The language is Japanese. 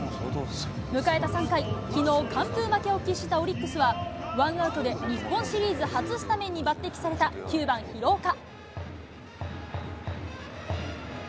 迎えた３回、きのう、完封負けを喫したオリックスは、ワンアウトで日本シリーズ初スタメンに抜てきされた９番廣岡。